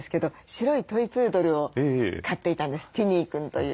ティニーくんという。